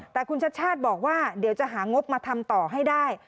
แต่คุณชาติชาติบอกว่าเดี๋ยวจะหางบมาทำต่อให้ได้